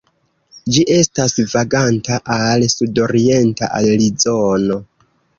Ĝi estas vaganta al sudorienta Arizono.